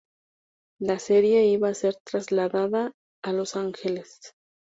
La serie iba a ser trasladada a Los Angeles.